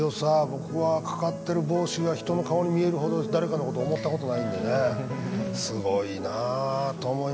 僕はかかってる帽子が人の顔に見えるほど誰かのこと思ったことないんでねすごいなあと思います。